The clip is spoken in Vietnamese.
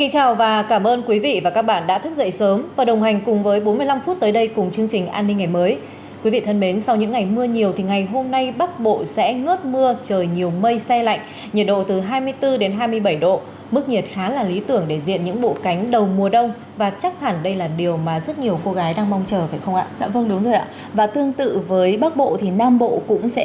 hãy đăng ký kênh để ủng hộ kênh của chúng mình nhé